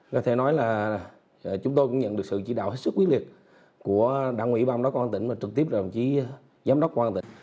có thể nói là chúng tôi cũng nhận được sự chỉ đạo hết sức quyết liệt của đảng ủy ban quán tỉnh và trực tiếp đồng chí giám đốc quán tỉnh